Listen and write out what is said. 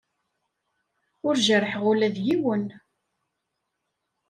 Ur jerrḥeɣ ula d yiwen.